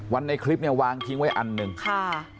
ในคลิปเนี่ยวางทิ้งไว้อันหนึ่งค่ะ